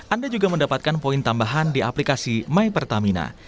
anda juga mendapatkan poin tambahan di aplikasi my pertamina